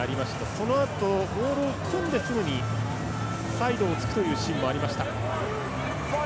そのあと、モールを組んですぐにサイドをつくというシーンもありました。